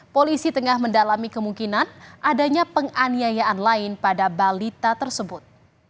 polisi tengah mendalami kemungkinan adanya penganiayaan lain pada balita tersebut